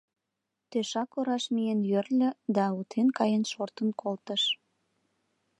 Тӧшак ораш миен йӧрльӧ да утен каен шортын колтыш.